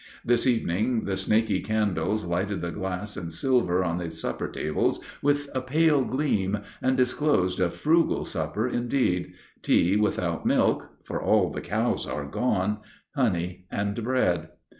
This evening the snaky candles lighted the glass and silver on the supper table with a pale gleam, and disclosed a frugal supper indeed tea without milk (for all the cows are gone), honey, and bread.